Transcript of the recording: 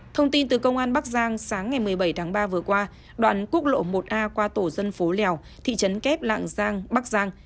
thông tin từ công an bắc giang sáng ngày một mươi bảy tháng ba vừa qua đoạn quốc lộ một a qua tổ dân phố lèo thị trấn kép lạng giang bắc giang